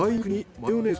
マヨネーズ。